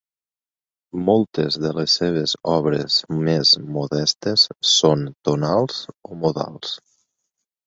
Moltes de les seves obres més modestes són tonals o modals.